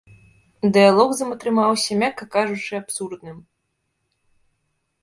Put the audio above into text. Дыялог з ім атрымаўся, мякка кажучы, абсурдным.